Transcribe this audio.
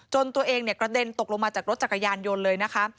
ตัวเองกระเด็นตกลงมาจากรถจักรยานยนต์เลยนะคะ